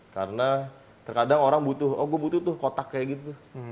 karena terkadang orang butuh oh gue butuh tuh kotak kayak gitu